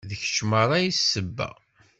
D kečč merra i d ssebba.